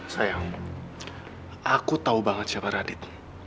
sayang aku tahu banget siapa radit